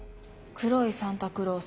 「黒いサンタクロース。